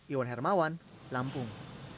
iwan hermawan lampung